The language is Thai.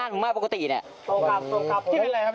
เสร็จมากี่วันแล้ว